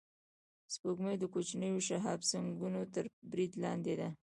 سپوږمۍ د کوچنیو شهابسنگونو تر برید لاندې ده